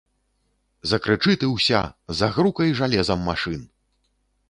Закрычы ты ўся, загрукай жалезам машын!